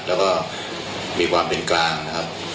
แล้วก็มีความเป็นกลางนะครับ